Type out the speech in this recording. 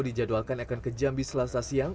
dijadwalkan akan ke jambi selasa siang